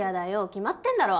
決まってんだろ！